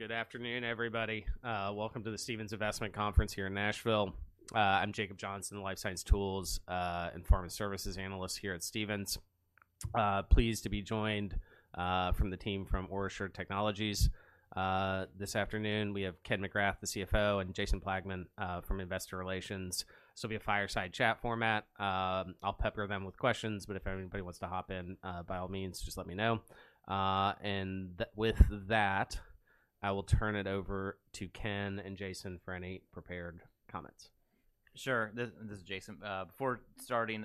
Good afternoon, everybody. Welcome to the Stephens Investment Conference here in Nashville. I'm Jacob Johnson, the life science tools and pharma services analyst here at Stephens. Pleased to be joined from the team from OraSure Technologies. This afternoon, we have Ken McGrath, the CFO, and Jason Plagman from Investor Relations. This will be a fireside chat format. I'll pepper them with questions, but if anybody wants to hop in, by all means, just let me know. With that, I will turn it over to Ken and Jason for any prepared comments. Sure. This is Jason. Before starting,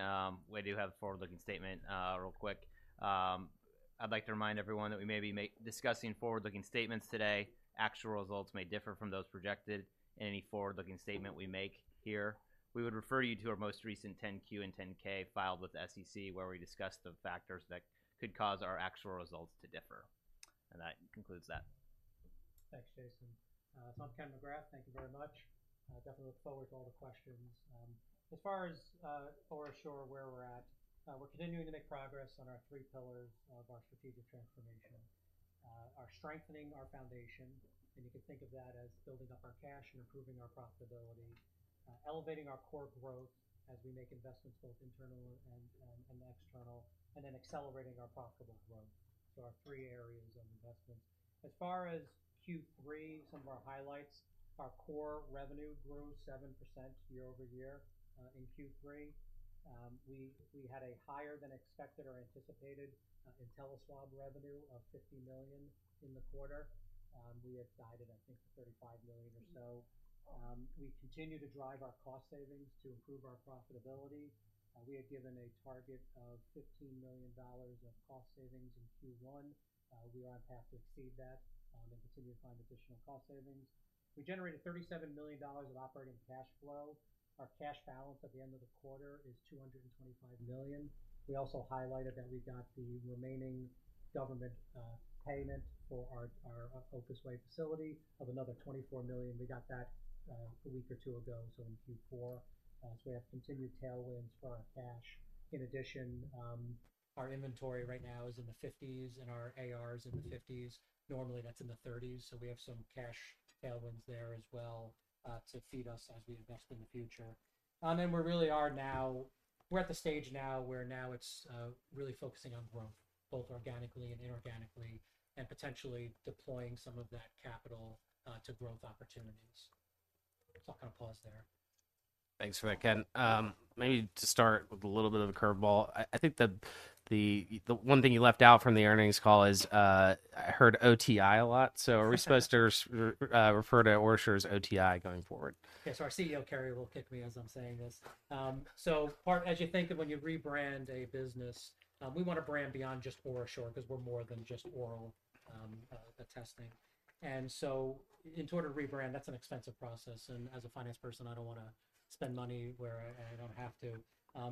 we do have a forward-looking statement, real quick. I'd like to remind everyone that we may be discussing forward-looking statements today. Actual results may differ from those projected in any forward-looking statement we make here. We would refer you to our most recent 10-Q and 10-K filed with the SEC, where we discuss the factors that could cause our actual results to differ. That concludes that. Thanks, Jason. So I'm Ken McGrath, thank you very much. Definitely look forward to all the questions. As far as OraSure, where we're at, we're continuing to make progress on our three pillars of our strategic transformation. Are strengthening our foundation, and you can think of that as building up our cash and improving our profitability. Elevating our core growth as we make investments, both internal and external, and then accelerating our profitable growth. So our three areas of investments. As far as Q3, some of our highlights, our core revenue grew 7% year-over-year in Q3. We had a higher than expected or anticipated InteliSwab revenue of $50 million in the quarter. We had guided, I think, $35 million or so. We continue to drive our cost savings to improve our profitability. We had given a target of $15 million of cost savings in Q1. We're on path to exceed that, and continue to find additional cost savings. We generated $37 million of operating cash flow. Our cash balance at the end of the quarter is $225 million. We also highlighted that we got the remaining government payment for our Opus Way facility of another $24 million. We got that, a week or two ago, so in Q4. So we have continued tailwinds for our cash. In addition, our inventory right now is in the $50s, and our AR is in the $50s. Normally, that's in the $30s, so we have some cash tailwinds there as well, to feed us as we invest in the future. And then we really are now—we're at the stage now where now it's really focusing on growth, both organically and inorganically, and potentially deploying some of that capital to growth opportunities. So I'm gonna pause there. Thanks for that, Ken. Maybe to start with a little bit of a curveball. I think the one thing you left out from the earnings call is, I heard OTI a lot. So are we supposed to refer to OraSure as OTI going forward? Yeah. So our CEO, Carrie, will kick me as I'm saying this. So part as you think of when you rebrand a business, we want to brand beyond just OraSure, 'cause we're more than just oral testing. And so in order to rebrand, that's an expensive process, and as a finance person, I don't wanna spend money where I don't have to.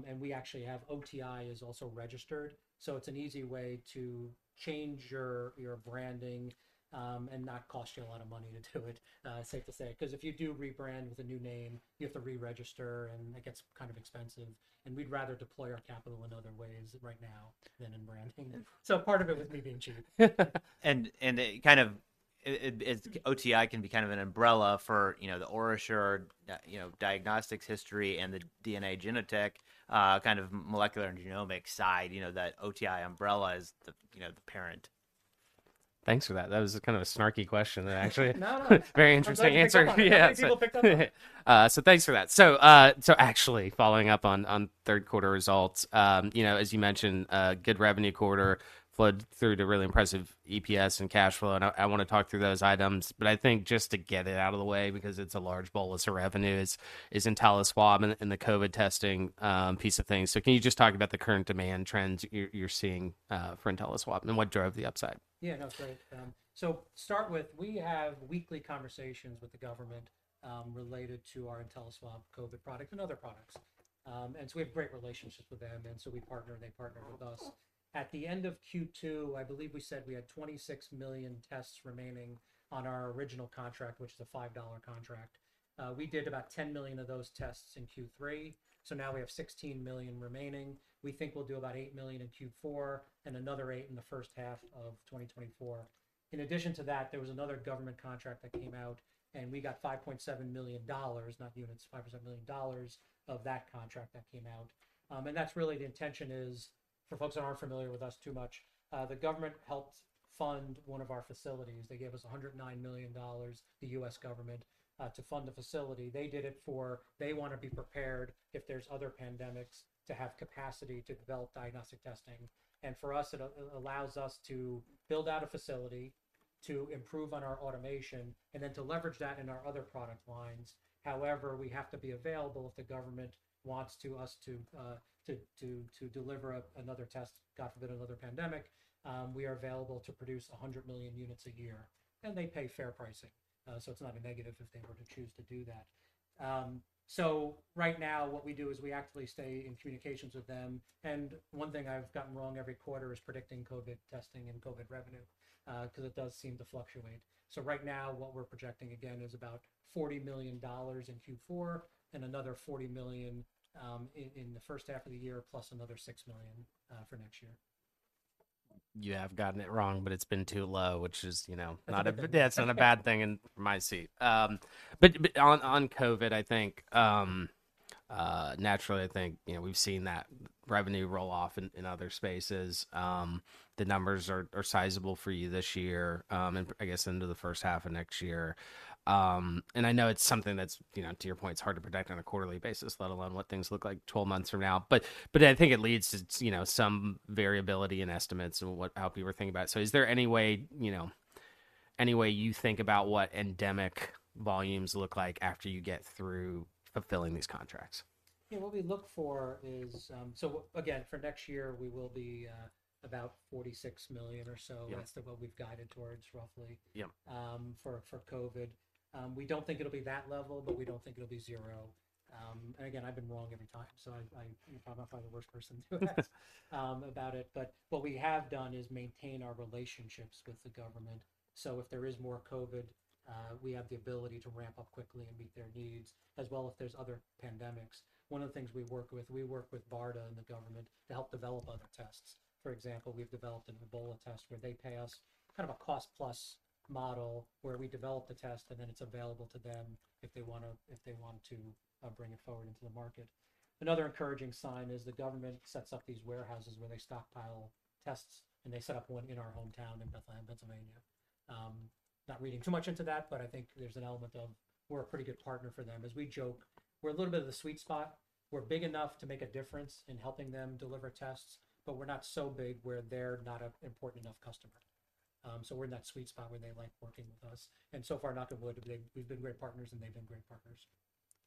And we actually have OTI is also registered, so it's an easy way to change your branding and not cost you a lot of money to do it, safe to say. 'Cause if you do rebrand with a new name, you have to re-register, and it gets kind of expensive, and we'd rather deploy our capital in other ways right now than in branding. So part of it was being cheap. And it kind of. OTI can be kind of an umbrella for, you know, the OraSure, you know, diagnostics history and the DNA Genotek, kind of molecular and genomic side. You know, that OTI umbrella is the, you know, the parent. Thanks for that. That was a kind of a snarky question, and actually. No!... very interesting answer. I'm glad people picked up on it. Yeah. People picked up on it. So thanks for that. So actually, following up on third quarter results, you know, as you mentioned, a good revenue quarter flowed through to really impressive EPS and cash flow, and I wanna talk through those items. But I think just to get it out of the way, because it's a large bolus of revenue, is InteliSwab and the COVID testing piece of things. So can you just talk about the current demand trends you're seeing for InteliSwab, and what drove the upside? Yeah, no, great. So to start with, we have weekly conversations with the government, related to our InteliSwab COVID product and other products. And so we have great relationships with them, and so we partner, and they partner with us. At the end of Q2, I believe we said we had 26 million tests remaining on our original contract, which is a $5 contract. We did about 10 million of those tests in Q3, so now we have 16 million remaining. We think we'll do about 8 million in Q4 and another 8 million in the first half of 2024. In addition to that, there was another government contract that came out, and we got $5.7 million, not units, $5.7 million of that contract that came out. And that's really the intention is, for folks that aren't familiar with us too much, the government helped fund one of our facilities. They gave us $109 million, the U.S. government, to fund the facility. They did it for... They want to be prepared if there's other pandemics, to have capacity to develop diagnostic testing. And for us, it allows us to build out a facility, to improve on our automation, and then to leverage that in our other product lines. However, we have to be available if the government wants to us to deliver another test, God forbid, another pandemic. We are available to produce 100 million units a year, and they pay fair pricing. So it's not a negative if they were to choose to do that. So right now, what we do is we actively stay in communications with them. And one thing I've gotten wrong every quarter is predicting COVID testing and COVID revenue, 'cause it does seem to fluctuate. So right now, what we're projecting again is about $40 million in Q4 and another $40 million in the first half of the year, plus another $6 million for next year. You have gotten it wrong, but it's been too low, which is, you know, not a bad thing in my seat. But on COVID, I think naturally, I think, you know, we've seen that revenue roll off in other spaces. The numbers are sizable for you this year, and I guess into the first half of next year. And I know it's something that's, you know, to your point, it's hard to predict on a quarterly basis, let alone what things look like 12 months from now. But I think it leads to, you know, some variability in estimates of what, how people were thinking about. So is there any way, you know, any way you think about what endemic volumes look like after you get through fulfilling these contracts? Yeah. What we look for is. So again, for next year, we will be about $46 million or so- Yeah.... that's what we've guided towards, roughly- Yeah.... for COVID. We don't think it'll be that level, but we don't think it'll be zero. And again, I've been wrong every time, so I probably find the worst person to ask about it. But what we have done is maintain our relationships with the government. So if there is more COVID, we have the ability to ramp up quickly and meet their needs, as well if there's other pandemics. One of the things we work with BARDA and the government to help develop other tests. For example, we've developed an Ebola test where they pay us kind of a cost-plus model, where we develop the test and then it's available to them if they want to bring it forward into the market. Another encouraging sign is the government sets up these warehouses where they stockpile tests, and they set up one in our hometown in Bethlehem, Pennsylvania. Not reading too much into that, but I think there's an element of we're a pretty good partner for them. As we joke, we're a little bit of the sweet spot. We're big enough to make a difference in helping them deliver tests, but we're not so big where they're not an important enough customer. So we're in that sweet spot where they like working with us, and so far, knock on wood, we've been great partners and they've been great partners.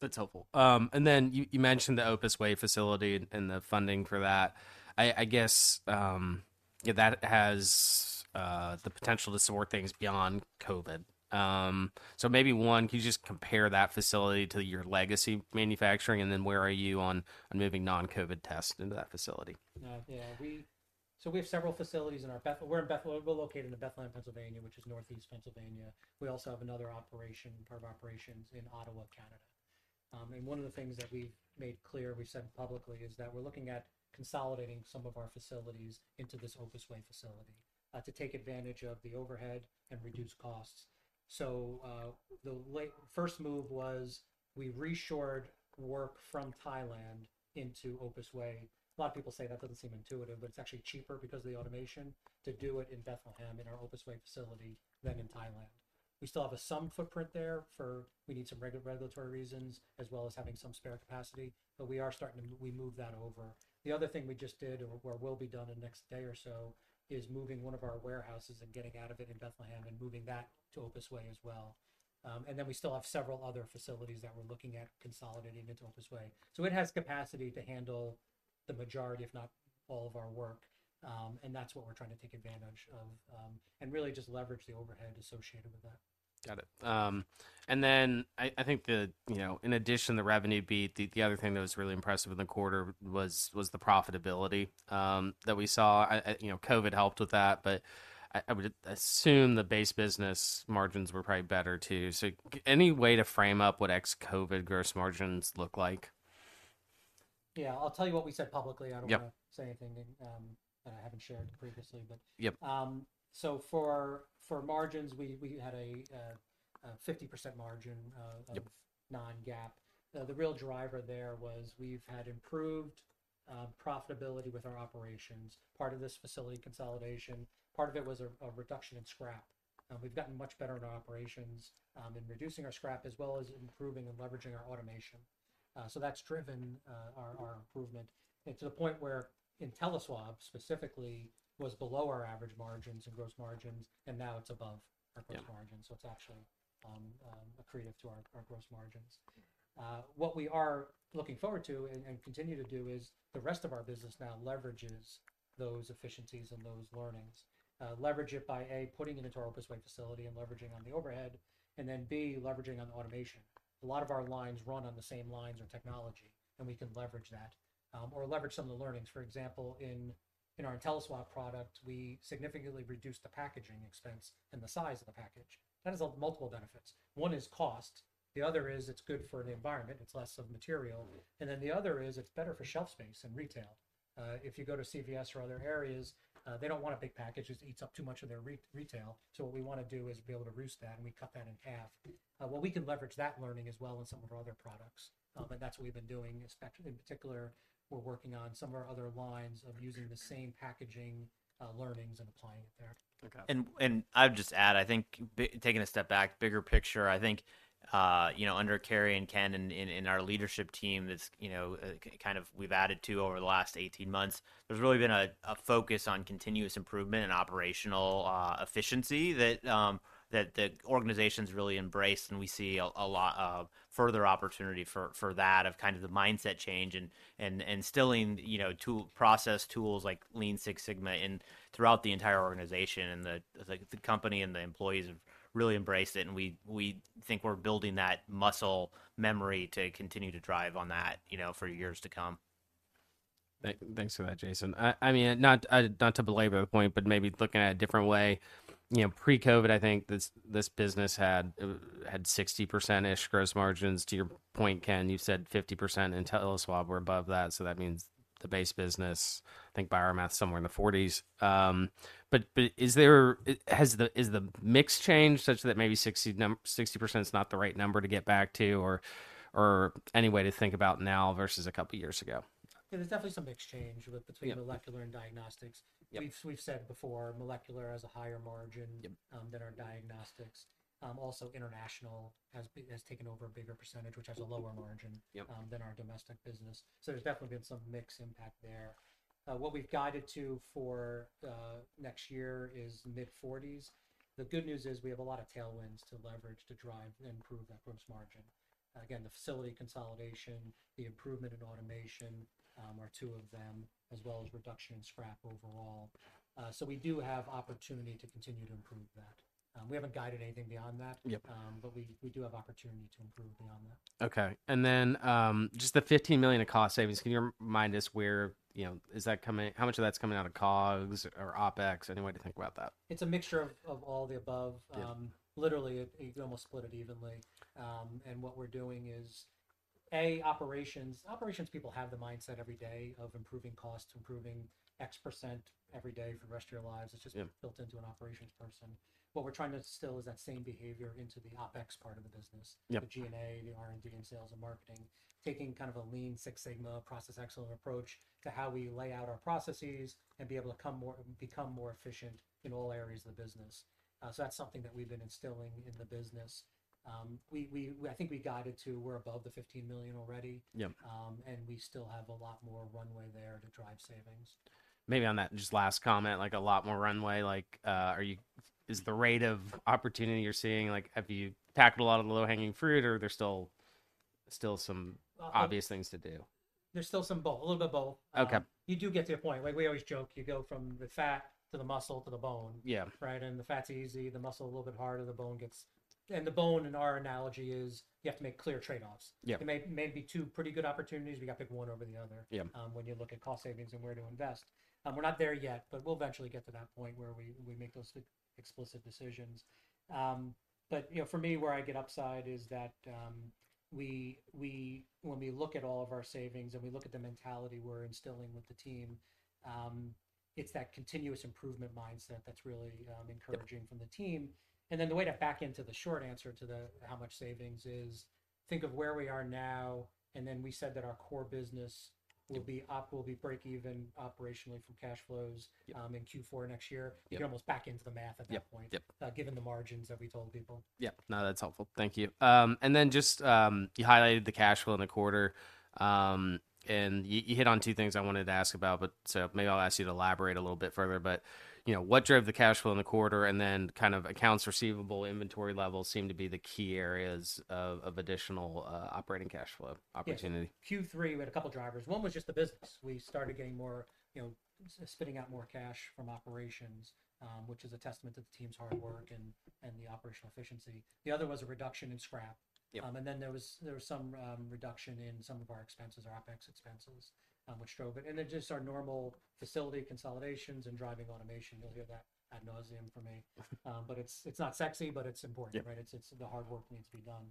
That's helpful. Then you mentioned the Opus Way facility and the funding for that. I guess, yeah, that has the potential to support things beyond COVID. So maybe, one, can you just compare that facility to your legacy manufacturing, and then where are you on moving non-COVID tests into that facility? Yeah. So we have several facilities in our Bethlehem. We're in Bethlehem. We're located in Bethlehem, Pennsylvania, which is northeast Pennsylvania. We also have another operation, part of operations in Ottawa, Canada. And one of the things that we've made clear, we've said publicly, is that we're looking at consolidating some of our facilities into this Opus Way facility, to take advantage of the overhead and reduce costs. So, the first move was we re-shored work from Thailand into Opus Way. A lot of people say that doesn't seem intuitive, but it's actually cheaper because of the automation to do it in Bethlehem, in our Opus Way facility than in Thailand. We still have some footprint there, for we need some regulatory reasons, as well as having some spare capacity, but we moved that over. The other thing we just did, or will be done in the next day or so, is moving one of our warehouses and getting out of it in Bethlehem and moving that to Opus Way as well. And then we still have several other facilities that we're looking at consolidating into Opus Way. So it has capacity to handle the majority, if not all, of our work, and that's what we're trying to take advantage of, and really just leverage the overhead associated with that. Got it. And then I think the, you know, in addition, the revenue beat, the other thing that was really impressive in the quarter was the profitability that we saw. You know, COVID helped with that, but I would assume the base business margins were probably better too. So any way to frame up what ex-COVID gross margins look like? Yeah. I'll tell you what we said publicly. Yep. I don't wanna say anything that, I haven't shared previously, but... Yep. So for margins, we had a 50% margin of non-GAAP. The real driver there was we've had improved profitability with our operations, part of this facility consolidation. Part of it was a reduction in scrap. We've gotten much better at operations in reducing our scrap, as well as improving and leveraging our automation. So that's driven our improvement. And to the point where InteliSwab specifically was below our average margins and gross margins, and now it's above- Yeah.... our gross margins, so it's actually accretive to our gross margins. What we are looking forward to and continue to do is, the rest of our business now leverages those efficiencies and those learnings. Leverage it by, A, putting it into our Opus Way facility and leveraging on the overhead, and then, B, leveraging on the automation. A lot of our lines run on the same lines or technology, and we can leverage that, or leverage some of the learnings. For example, in our InteliSwab product, we significantly reduced the packaging expense and the size of the package. That has multiple benefits. One is cost, the other is it's good for the environment, it's less of material, and then the other is it's better for shelf space and retail. If you go to CVS or other areas, they don't want big packages. It eats up too much of their retail. So what we wanna do is be able to reduce that, and we cut that in half. Well, we can leverage that learning as well in some of our other products, but that's what we've been doing. Especially, in particular, we're working on some of our other lines of using the same packaging learnings and applying it there. Okay. And I'd just add, I think taking a step back, bigger picture, I think, you know, under Carrie and Ken and our leadership team, that's, you know, kind of we've added to over the last 18 months, there's really been a focus on continuous improvement and operational efficiency that the organization's really embraced. And we see a lot of further opportunity for that, of kind of the mindset change and instilling, you know, process tools like Lean Six Sigma throughout the entire organization. And the company and the employees have really embraced it, and we think we're building that muscle memory to continue to drive on that, you know, for years to come. Thanks for that, Jason. I mean, not to belabor the point, but maybe looking at a different way. You know, pre-COVID, I think this business had 60%-ish gross margins. To your point, Ken, you said 50%, and InteliSwab were above that, so that means the base business, I think, by our math, somewhere in the 40s. But has the mix changed such that maybe 60% is not the right number to get back to, or any way to think about now versus a couple of years ago? There's definitely some mix change with between- Yeah.... molecular and diagnostics. Yep. We've said before, molecular has a higher margin than our diagnostics. Also international has taken over a bigger percentage, which has a lower margin- Yep.... than our domestic business. So there's definitely been some mix impact there. What we've guided to for next year is mid-40s. The good news is, we have a lot of tailwinds to leverage to drive and improve that gross margin. Again, the facility consolidation, the improvement in automation, are two of them, as well as reduction in scrap overall. So we do have opportunity to continue to improve that. We haven't guided anything beyond that- Yep.... but we do have opportunity to improve beyond that. Okay. And then, just the $15 million in cost savings, can you remind us where, you know, is that coming—how much of that's coming out of COGS or OpEx? Any way to think about that? It's a mixture of all the above. Yep. Literally, it's almost split evenly. What we're doing is operations people have the mindset every day of improving costs, improving x% every day for the rest of your lives. Yep. It's just built into an operations person. What we're trying to instill is that same behavior into the OpEx part of the business. Yep. The G&A, the R&D, and sales and marketing, taking kind of a Lean Six Sigma process-excellent approach to how we lay out our processes and be able to become more efficient in all areas of the business. So that's something that we've been instilling in the business. We, I think we guided to, we're above the $15 million already. Yep. We still have a lot more runway there to drive savings. Maybe on that, just last comment, like, a lot more runway, like, is the rate of opportunity you're seeing, like, have you tackled a lot of the low-hanging fruit, or are there still some obvious things to do? There's still some both, a little bit both. Okay. You do get to a point. Like we always joke, you go from the fat to the muscle to the bone. Yeah. Right? And the fat's easy, the muscle a little bit harder, the bone gets... And the bone, in our analogy, is you have to make clear trade-offs. Yep. There may be two pretty good opportunities. We got to pick one over the other. Yep.... when you look at cost savings and where to invest. We're not there yet, but we'll eventually get to that point where we make those explicit decisions. But you know, for me, where I get upside is that, when we look at all of our savings and we look at the mentality we're instilling with the team, it's that continuous improvement mindset that's really encouraging- Yep.... from the team. Then the way to back into the short answer to the, how much savings is, think of where we are now, and then we said that our core business will be break even operationally from cash flows in Q4 next year. Yep. You can almost back into the math at that point- Yep, yep.... given the margins that we told people. Yep. No, that's helpful. Thank you. And then just, you highlighted the cash flow in the quarter, and you hit on two things I wanted to ask about, but so maybe I'll ask you to elaborate a little bit further. But, you know, what drove the cash flow in the quarter, and then kind of accounts receivable, inventory levels seem to be the key areas of additional operating cash flow opportunity. Yeah. Q3, we had a couple drivers. One was just the business. We started getting more, you know, spitting out more cash from operations, which is a testament to the team's hard work and the operational efficiency. The other was a reduction in scrap. Yep. And then there was some reduction in some of our expenses, our OpEx expenses, which drove it. And then just our normal facility consolidations and driving automation. You'll hear that ad nauseam from me. But it's not sexy, but it's important. Yep. Right? It's the hard work needs to be done.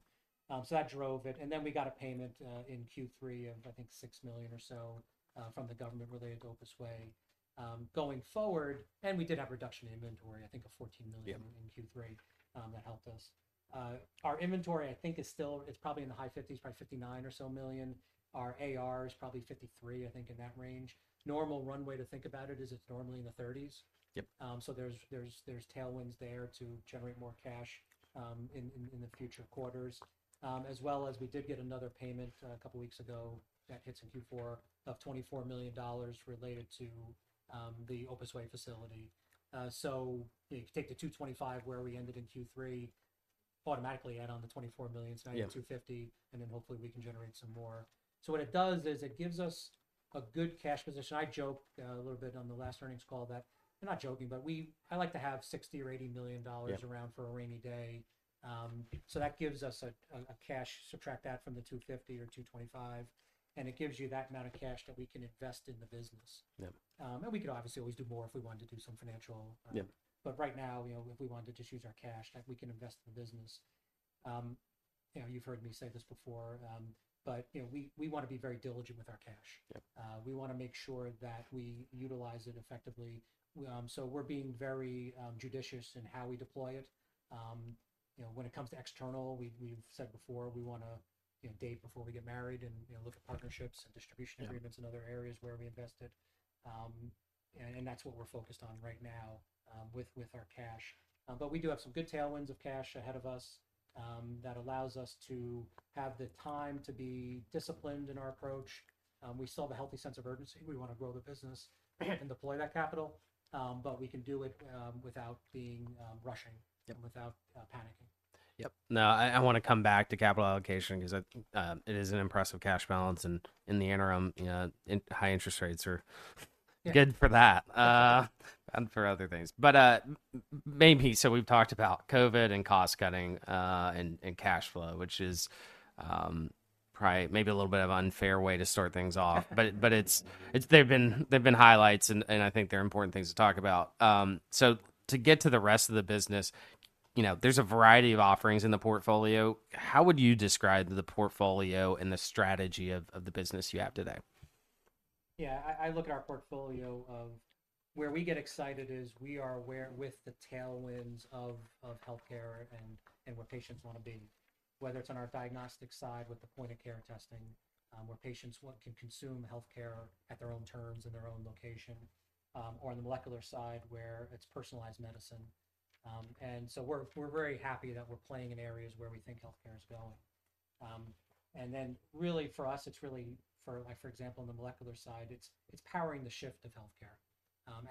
So that drove it. And then we got a payment in Q3 of, I think, $6 million or so, from the government where they had gone this way, going forward. And we did have a reduction in inventory, I think $14 million- Yep.... in Q3, that helped us. Our inventory, I think, is still, it's probably in the high 50s, probably $59 million or so. Our AR is probably $53 million, I think, in that range. Normal runway to think about it is it's normally in the 30s. Yep. So there's tailwinds there to generate more cash in the future quarters. As well as we did get another payment a couple of weeks ago, that hits in Q4, of $24 million related to the Opus Way facility. So you take the 225, where we ended in Q3, automatically add on the $24 million- Yep.... so now $250 million, and then hopefully we can generate some more. So what it does is, it gives us a good cash position. I joked a little bit on the last earnings call that... I'm not joking, but I like to have $60 million or $80 million around for a rainy day. So that gives us a cash, subtract that from the $250 or $225, and it gives you that amount of cash that we can invest in the business. Yep. We could obviously always do more if we wanted to do some financial, Yep. Right now, you know, if we wanted to just use our cash that we can invest in the business. You know, you've heard me say this before, you know, we want to be very diligent with our cash. We wanna make sure that we utilize it effectively. So we're being very judicious in how we deploy it. You know, when it comes to external, we, we've said before, we wanna, you know, date before we get married and, you know, look at partnerships and distribution agreements and other areas where we invest it. That's what we're focused on right now, with our cash. But we do have some good tailwinds of cash ahead of us that allows us to have the time to be disciplined in our approach. We still have a healthy sense of urgency. We wanna grow the business and deploy that capital, but we can do it without being rushing without panicking. Yep. Now, I wanna come back to capital allocation because it is an impressive cash balance, and in the interim, you know, and high interest rates are good for that, and for other things. But maybe so we've talked about COVID and cost-cutting and cash flow, which is probably maybe a little bit of unfair way to start things off. But they've been highlights, and I think they're important things to talk about. So to get to the rest of the business, you know, there's a variety of offerings in the portfolio. How would you describe the portfolio and the strategy of the business you have today? Yeah, I look at our portfolio of where we get excited is we are aware with the tailwinds of healthcare and where patients want to be, whether it's on our diagnostic side with the point-of-care testing, where patients can consume healthcare at their own terms, in their own location, or on the molecular side, where it's personalized medicine. And so we're very happy that we're playing in areas where we think healthcare is going. And then really for us, it's really for, like, for example, in the molecular side, it's powering the shift of healthcare.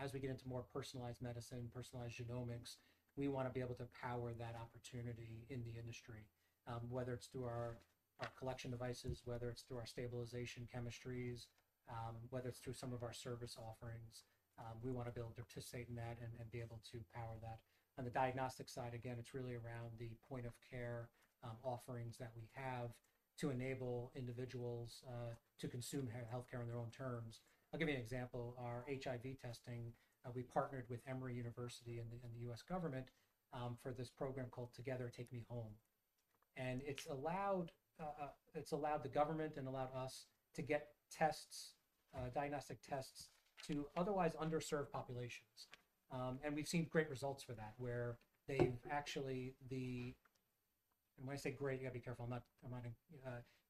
As we get into more personalized medicine, personalized genomics, we want to be able to power that opportunity in the industry. Whether it's through our collection devices, whether it's through our stabilization chemistries, whether it's through some of our service offerings, we want to be able to participate in that and be able to power that. On the diagnostic side, again, it's really around the point of care offerings that we have to enable individuals to consume healthcare on their own terms. I'll give you an example. Our HIV testing, we partnered with Emory University and the U.S. government for this program called Together TakeMeHome. And it's allowed the government and allowed us to get tests, diagnostic tests to otherwise underserved populations. And we've seen great results for that, where they've actually... when I say great, you got to be careful not. I'm not...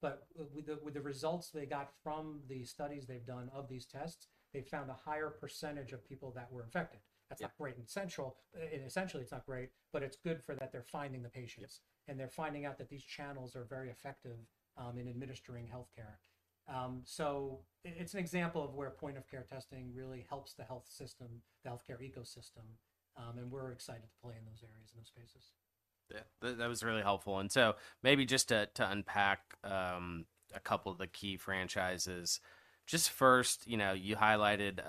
But with the results they got from the studies they've done of these tests, they've found a higher percentage of people that were infected. That's not great, essentially, it's not great, but it's good for that they're finding the patients. Yes. They're finding out that these channels are very effective in administering healthcare. So it's an example of where point-of-care testing really helps the health system, the healthcare ecosystem, and we're excited to play in those areas, in those spaces. Yeah, that was really helpful. And so maybe just to unpack a couple of the key franchises. Just first, you know, you highlighted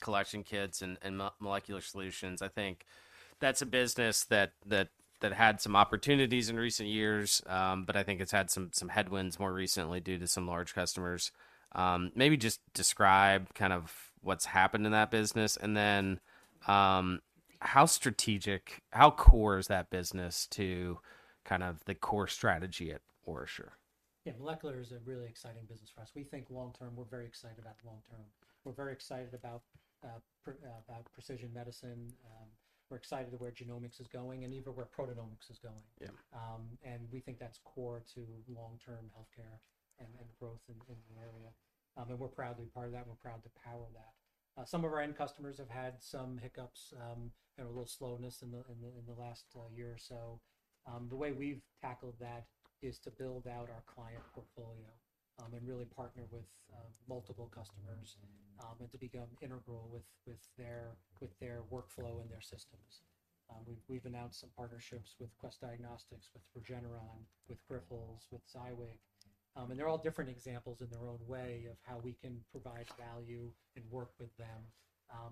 collection kits and molecular solutions. I think that's a business that had some opportunities in recent years, but I think it's had some headwinds more recently due to some large customers. Maybe just describe kind of what's happened in that business, and then how strategic, how core is that business to kind of the core strategy at OraSure? Yeah, molecular is a really exciting business for us. We think long term, we're very excited about the long term. We're very excited about precision medicine. We're excited where genomics is going and even where proteomics is going. Yeah. And we think that's core to long-term healthcare and growth in the area. And we're proudly part of that, and we're proud to power that. Some of our end customers have had some hiccups and a little slowness in the last year or so. The way we've tackled that is to build out our client portfolio and really partner with multiple customers and to become integral with their workflow and their systems. We've announced some partnerships with Quest Diagnostics, with Regeneron, with Grifols, with Ziwig. And they're all different examples in their own way of how we can provide value and work with them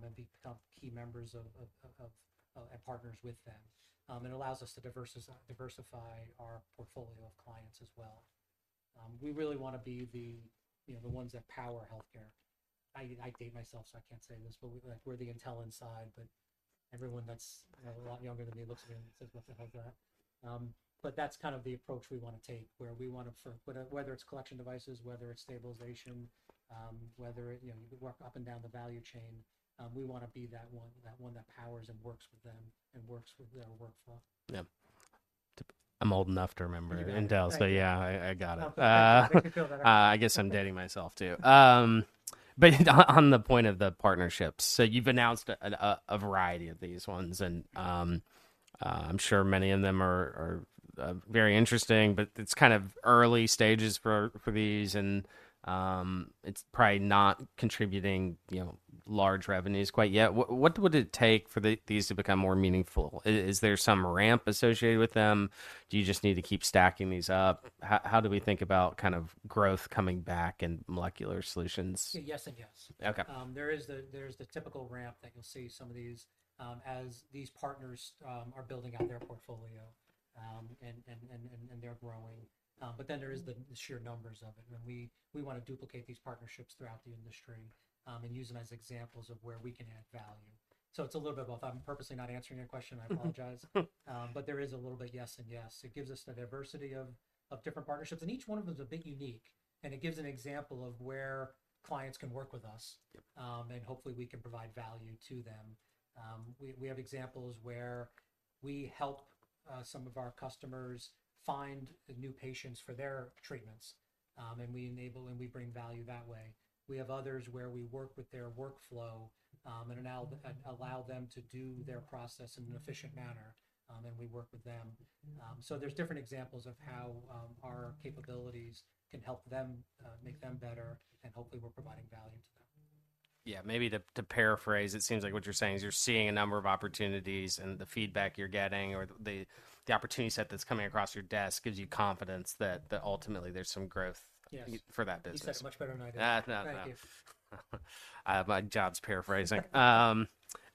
and become key members of and partners with them. It allows us to diversify our portfolio of clients as well. We really want to be the, you know, the ones that power healthcare. I date myself, so I can't say this, but we're, like, we're the Intel Inside, but everyone that's a lot younger than me looks at me and says, "What the hell is that?" But that's kind of the approach we want to take, where we want to, whether it's collection devices, whether it's stabilization, whether it, you know, you work up and down the value chain, we want to be that one, that one that powers and works with them and works with their workflow. Yeah. I'm old enough to remember Inverness. You bet. Yeah, I got it. Well, make me feel better. I guess I'm dating myself too. But on the point of the partnerships, so you've announced a variety of these ones, and I'm sure many of them are very interesting, but it's kind of early stages for these, and it's probably not contributing, you know, large revenues quite yet. What would it take for these to become more meaningful? Is there some ramp associated with them? Do you just need to keep stacking these up? How do we think about kind of growth coming back in molecular solutions? Yes and yes. Okay. There is the, there's the typical ramp that you'll see some of these, as these partners are building out their portfolio, and they're growing. But then there is the sheer numbers of it, and we want to duplicate these partnerships throughout the industry, and use them as examples of where we can add value. So it's a little bit of both. I'm purposely not answering your question, I apologize. But there is a little bit yes and yes. It gives us the diversity of different partnerships, and each one of them is a bit unique, and it gives an example of where clients can work with us-... and hopefully, we can provide value to them. We have examples where we help some of our customers find new patients for their treatments, and we enable and we bring value that way. We have others where we work with their workflow, and allow them to do their process in an efficient manner, and we work with them. So there's different examples of how our capabilities can help them make them better, and hopefully, we're providing value to them. Yeah, maybe to paraphrase, it seems like what you're saying is you're seeing a number of opportunities, and the feedback you're getting or the opportunity set that's coming across your desk gives you confidence that ultimately there's some growth- Yes. ...for that business. He said it much better than I did. No, no. My job's paraphrasing.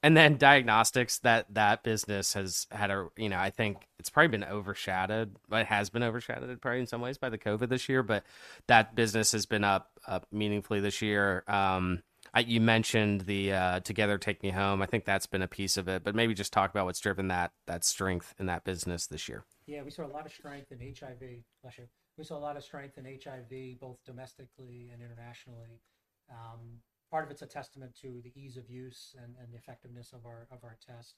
And then diagnostics, that business has had a, you know, I think it's probably been overshadowed, but it has been overshadowed probably in some ways by the COVID this year, but that business has been up meaningfully this year. You mentioned the Together TakeMeHome. I think that's been a piece of it, but maybe just talk about what's driven that strength in that business this year. Yeah, we saw a lot of strength in HIV - bless you. We saw a lot of strength in HIV, both domestically and internationally. Part of it's a testament to the ease of use and the effectiveness of our test.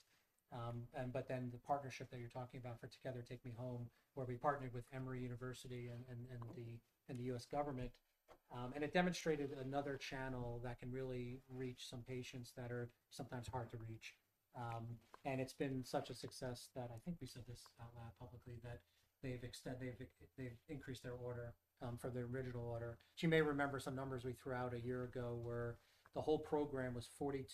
But then the partnership that you're talking about for Together TakeMeHome, where we partnered with Emory University and the U.S. government, and it demonstrated another channel that can really reach some patients that are sometimes hard to reach. And it's been such a success that I think we said this out loud publicly, that they've increased their order from their original order. You may remember some numbers we threw out a year ago, where the whole program was $42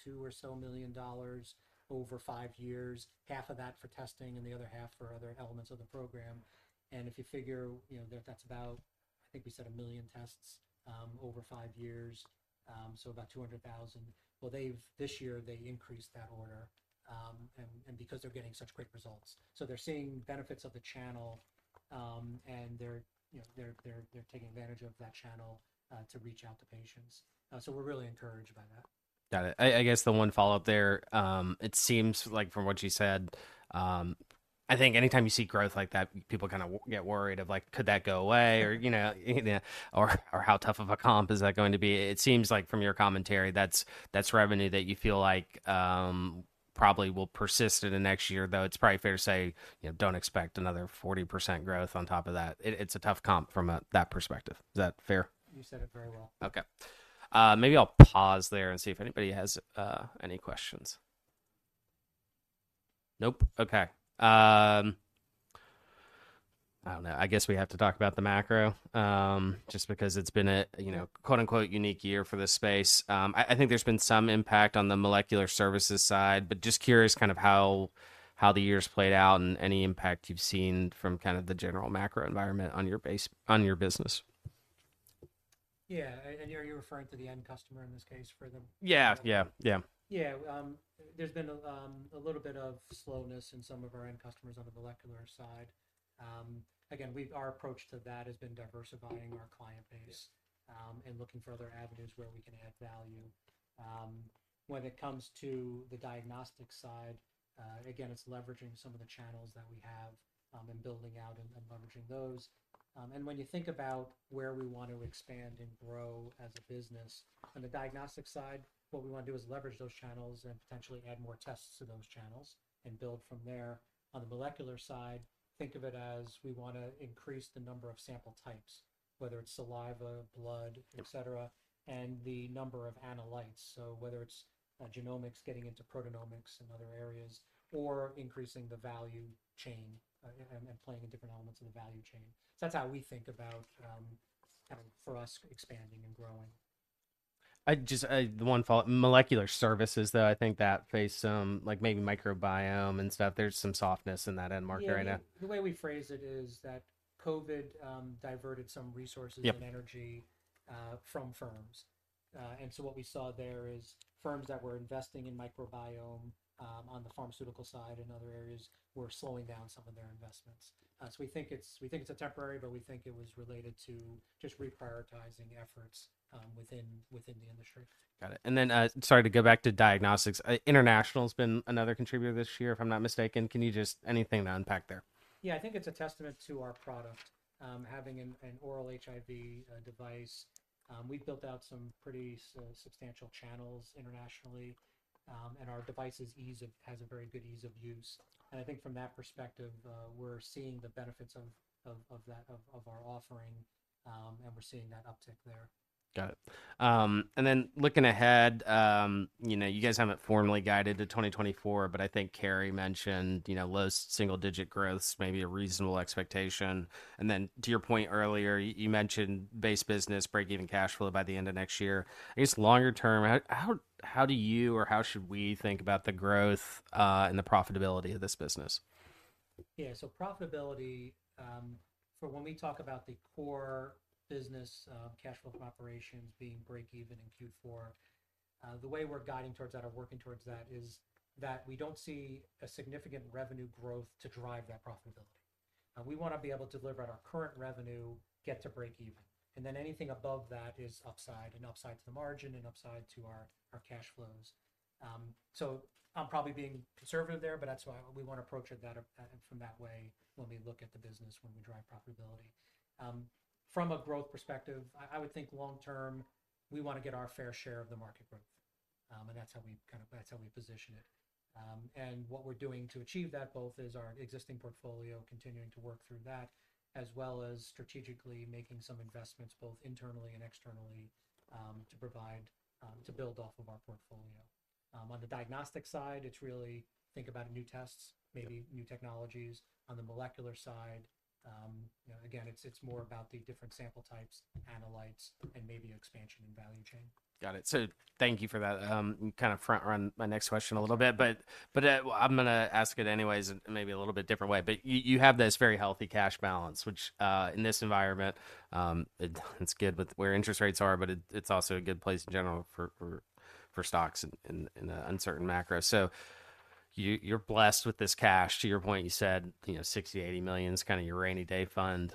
million or so over five years, half of that for testing and the other half for other elements of the program. If you figure, you know, that that's about. I think we said 1 million tests over five years, so about 200,000. Well, they've this year, they increased that order, and because they're getting such great results. So they're seeing benefits of the channel, and they're, you know, taking advantage of that channel to reach out to patients. So we're really encouraged by that. Got it. I guess the one follow-up there. It seems like from what you said, I think anytime you see growth like that, people kind of get worried of like, "Could that go away?" Or, you know, or, "How tough of a comp is that going to be?" It seems like from your commentary, that's revenue that you feel like probably will persist into next year, though it's probably fair to say, you know, don't expect another 40% growth on top of that. It's a tough comp from that perspective. Is that fair? You said it very well. Okay. Maybe I'll pause there and see if anybody has any questions. Nope? Okay. I don't know. I guess we have to talk about the macro, just because it's been a, you know, quote-unquote, "unique year" for this space. I think there's been some impact on the molecular services side, but just curious kind of how the year's played out and any impact you've seen from kind of the general macro environment on your business. Yeah, and you're referring to the end customer in this case for the- Yeah, yeah. Yeah. Yeah. There's been a little bit of slowness in some of our end customers on the molecular side. Again, we've our approach to that has been diversifying our client base-... and looking for other avenues where we can add value. When it comes to the diagnostic side, again, it's leveraging some of the channels that we have, and building out and leveraging those. When you think about where we want to expand and grow as a business, on the diagnostic side, what we want to do is leverage those channels and potentially add more tests to those channels and build from there. On the molecular side, think of it as we want to increase the number of sample types, whether it's saliva, blood-... et cetera, and the number of analytes. So whether it's genomics, getting into proteomics and other areas, or increasing the value chain and playing in different elements of the value chain. So that's how we think about kind of for us, expanding and growing. Molecular services, though, I think that face some, like maybe microbiome and stuff, there's some softness in that end market right now. Yeah. The way we phrase it is that COVID diverted some resources- Yep.... and energy from firms. And so what we saw there is firms that were investing in microbiome on the pharmaceutical side and other areas were slowing down some of their investments. So we think it's a temporary, but we think it was related to just reprioritizing efforts within the industry. Got it. And then, sorry, to go back to diagnostics. International has been another contributor this year, if I'm not mistaken. Can you just... anything to unpack there? Yeah, I think it's a testament to our product, having an oral HIV device. We've built out some pretty substantial channels internationally, and our device has a very good ease of use. And I think from that perspective, we're seeing the benefits of that, of our offering, and we're seeing that uptick there. Got it. And then looking ahead, you know, you guys haven't formally guided to 2024, but I think Carrie mentioned, you know, low single-digit growth is maybe a reasonable expectation. And then to your point earlier, you mentioned base business, break-even cash flow by the end of next year. I guess longer term, how do you or how should we think about the growth, and the profitability of this business? Yeah, so profitability, for when we talk about the core business, cash flow from operations being break even in Q4, the way we're guiding towards that or working towards that is that we don't see a significant revenue growth to drive that profitability. We wanna be able to deliver on our current revenue, get to break even, and then anything above that is upside, and upside to the margin and upside to our cash flows. So I'm probably being conservative there, but that's why we want to approach it from that way when we look at the business, when we drive profitability. From a growth perspective, I would think long term, we want to get our fair share of the market growth, and that's how we position it. And what we're doing to achieve that both is our existing portfolio, continuing to work through that, as well as strategically making some investments, both internally and externally, to provide, to build off of our portfolio. On the diagnostic side, it's really think about new tests, maybe new technologies on the molecular side. You know, again, it's more about the different sample types, analytes, and maybe expansion in value chain. Got it. So thank you for that. You kind of front run my next question a little bit, but, but, I'm gonna ask it anyways, and maybe a little bit different way. But you, you have this very healthy cash balance, which, in this environment, it's good with where interest rates are, but it, it's also a good place in general for, for, for stocks in, in, in an uncertain macro. So you're blessed with this cash, to your point, you said, you know, $60 million-$80 million is kinda your rainy day fund,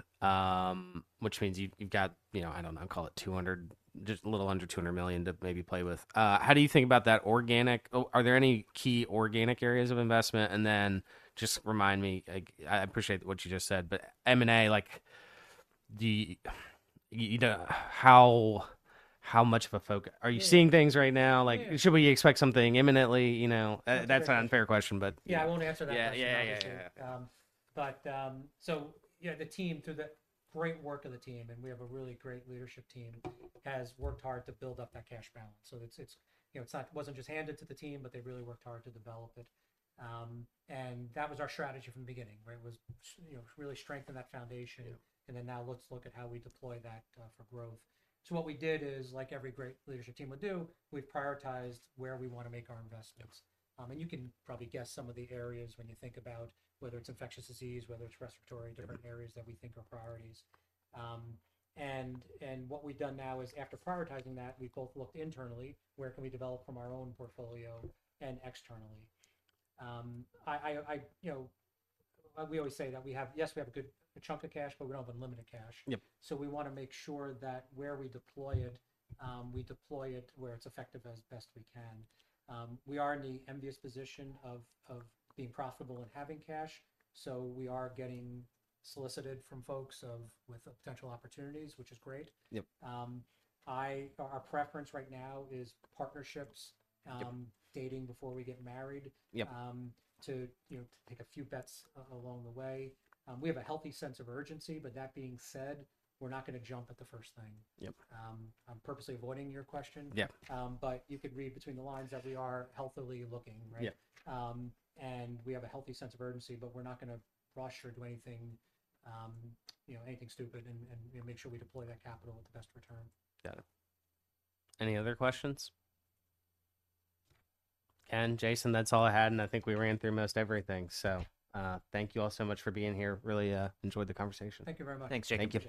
which means you've got, you know, I don't know, call it $200 million, just a little under $200 million to maybe play with. How do you think about that organic, oh, are there any key organic areas of investment? And then just remind me, like, I appreciate what you just said, but M&A, like, you know, how much of a focus—are you seeing things right now? Like, should we expect something imminently, you know? That's an unfair question, but- Yeah, I won't answer that question, obviously. Yeah, yeah, yeah, yeah. So yeah, the team, through the great work of the team, and we have a really great leadership team, has worked hard to build up that cash balance. So it's, it's, you know, it wasn't just handed to the team, but they really worked hard to develop it. That was our strategy from the beginning, where it was, you know, really strengthen that foundation. Yeah. And then now let's look at how we deploy that for growth. So what we did is, like every great leadership team would do, we've prioritized where we wanna make our investments. And you can probably guess some of the areas when you think about whether it's infectious disease, whether it's respiratory- Mm-hmm.... different areas that we think are priorities. And what we've done now is, after prioritizing that, we both looked internally, where we can develop from our own portfolio and externally. You know, we always say that we have—yes, we have a good chunk of cash, but we don't have unlimited cash. Yep. So we wanna make sure that where we deploy it, we deploy it where it's effective as best we can. We are in the envious position of being profitable and having cash, so we are getting solicited from folks with potential opportunities, which is great. Yep. Our preference right now is partnerships dating before we get married- Yep.... to, you know, to take a few bets along the way. We have a healthy sense of urgency, but that being said, we're not gonna jump at the first thing. Yep. I'm purposely avoiding your question. Yep. But you could read between the lines that we are healthily looking, right? Yep. We have a healthy sense of urgency, but we're not gonna rush or do anything, you know, anything stupid and, you know, make sure we deploy that capital with the best return. Got it. Any other questions? And Jason, that's all I had, and I think we ran through most everything. So, thank you all so much for being here. Really, enjoyed the conversation. Thank you very much. Thanks, Jason.